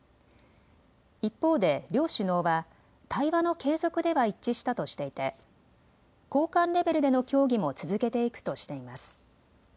一方で両首脳は対話の継続では一致したとしていて高官レベルでの協議も続けていくとしています。